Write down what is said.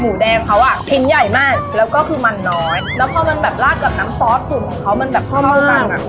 แดงเขาอ่ะชิ้นใหญ่มากแล้วก็คือมันน้อยแล้วพอมันแบบลาดกับน้ำซอสตุ๋นของเขามันแบบเข้ากันอ่ะ